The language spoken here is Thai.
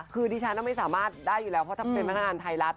คือดิฉันไม่สามารถได้อยู่แล้วเพราะถ้าเป็นพนักงานไทยรัฐ